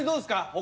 他。